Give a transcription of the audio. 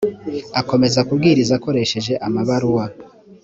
akomeza kubwiriza akoresheje amabaruwa